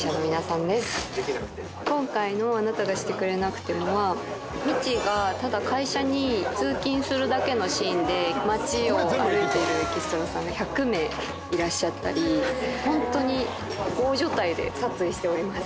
「今回の『あなたがしてくれなくても』はみちがただ会社に通勤するだけのシーンで街を歩いているエキストラさんが１００名いらっしゃったり」「ホントに大所帯で撮影しております」